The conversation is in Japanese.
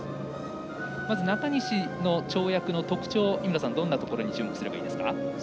まず中西の跳躍の特徴井村さん、どんなところに注目すればいいですか。